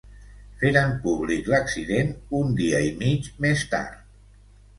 Feren públic l'accident un dia i mig més tard.